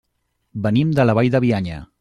Venim de la Vall de Bianya.